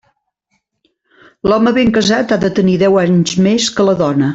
L'home ben casat ha de tenir deu anys més que la dona.